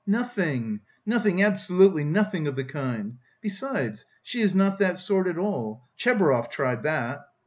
"Nothing, nothing, absolutely nothing of the kind! Besides she is not that sort at all.... Tchebarov tried that...."